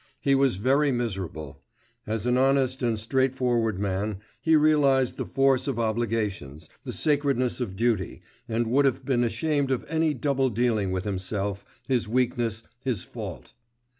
He was very miserable. As an honest and straightforward man, he realised the force of obligations, the sacredness of duty, and would have been ashamed of any double dealing with himself, his weakness, his fault.